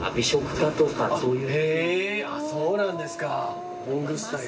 へえそうなんですか。